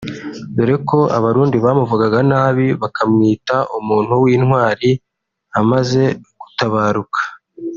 dore ko abarundi bamuvugaga nabi bakamwita umuntu w’intwari amaze gutabaruka